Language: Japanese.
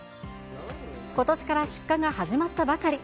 ことしから出荷が始まったばかり。